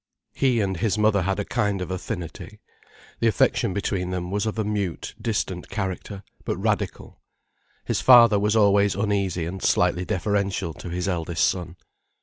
He and his mother had a kind of affinity. The affection between them was of a mute, distant character, but radical. His father was always uneasy and slightly deferential to his eldest son.